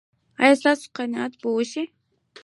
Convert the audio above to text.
ایا ستاسو قناعت به وشي؟